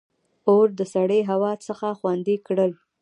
• اور د سړې هوا څخه خوندي کړل.